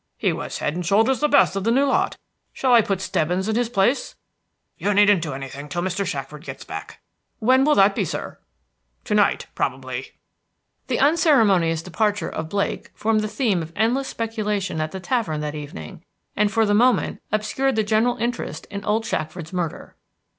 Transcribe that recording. "He was head and shoulders the best of the new lot. Shall I put Stebbins in his place?" "You needn't do anything until Mr. Shackford gets back." "When will that be, sir?" "To night, probably." The unceremonious departure of Blake formed the theme of endless speculation at the tavern that evening, and for the moment obscured the general interest in old Shackford's murder.